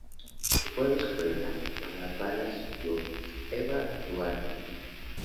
Fue la escuela a la cual asistió Eva Duarte.